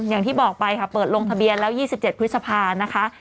อย่างที่บอกไปค่ะเปิดลงทะเบียนแล้ว๒๗พฤษภานะคะ